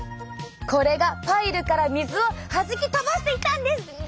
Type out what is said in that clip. これがパイルから水をはじき飛ばしていたんです！